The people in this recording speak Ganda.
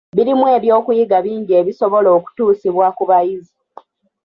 Birimu eby’okuyiga bingi ebisobola okutuusibwa ku bayizi.